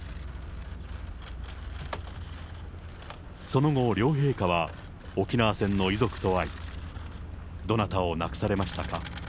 その後、両陛下は沖縄戦の遺族と会い、どなたを亡くされましたか？